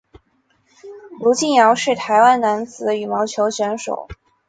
卢敬尧是台湾男子羽毛球选手。